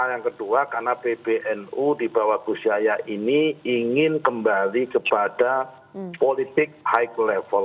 yang kedua karena pbnu di bawah gus yahya ini ingin kembali kepada politik high level